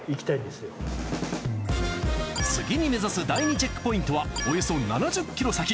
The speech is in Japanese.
次に目指す第２チェックポイントはおよそ７０ｋｍ先。